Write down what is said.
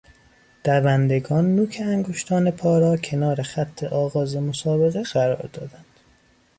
دوندگان نوک انگشتان پا را کنار خط آغاز مسابقه قرار دادند.